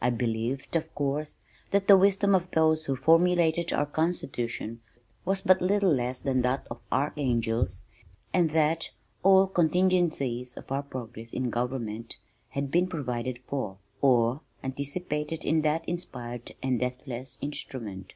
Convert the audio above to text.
I believed (of course) that the wisdom of those who formulated our constitution was but little less than that of archangels, and that all contingencies of our progress in government had been provided for or anticipated in that inspired and deathless instrument.